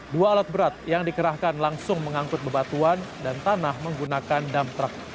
dua alat berat yang dikerahkan langsung mengangkut bebatuan dan tanah menggunakan dam truck